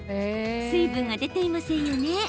水分が出ていませんよね。